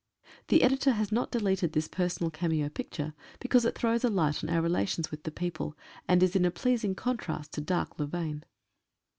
(The Editor has not deleted this personal cameo picture, because it throws a light on our relations with the people, and is in pleasing contrast to Dark Louvain.)